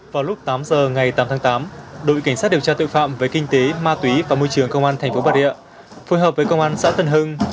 vào lúc tám giờ ngày tám tháng tám đội cảnh sát điều tra tội phạm về kinh tế ma túy và môi trường công an thành phố bà rịa phối hợp với công an xã tân hưng